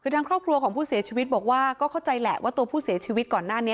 คือทางครอบครัวของผู้เสียชีวิตบอกว่าก็เข้าใจแหละว่าตัวผู้เสียชีวิตก่อนหน้านี้